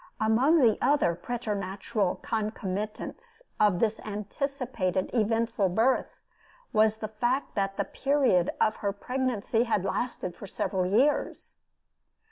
Among the other preternatural concomitants of this anticipated eventful birth, was the fact that the period of her pregnancy had lasted for several years.